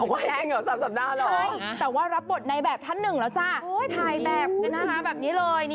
ไม่ถึงเดือนนึงแหละใช่แต่ว่ารับบทในแบบท่านหนึ่งแล้วจ้ะถ่ายแบบแบบนี้เลย